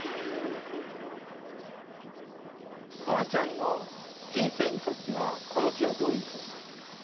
おばあちゃんの人生にとってはこの木はどういう。